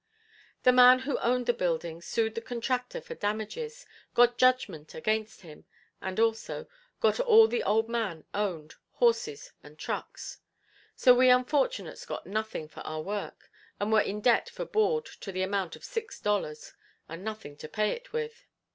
The man who owned the building sued the contractor for damages, got judgment against him; and, also, got all the old man owned, horses and trucks. So we unfortunates got nothing for our work and were in debt for board to the amount of six dollars, and nothing to pay it with.